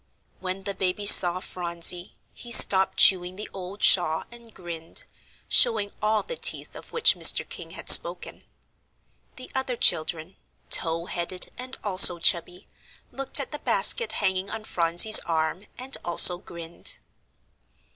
When the baby saw Phronsie, he stopped chewing the old shawl and grinned, showing all the teeth of which Mr. King had spoken. The other children, tow headed and also chubby, looked at the basket hanging on Phronsie's arm, and also grinned.